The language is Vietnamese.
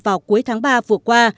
vào cuối tháng ba vừa qua